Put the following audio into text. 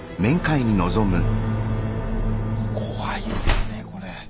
怖いですよねこれ。